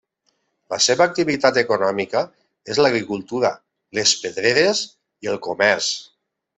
La seva activitat econòmica és l'agricultura, les pedreres i el comerç.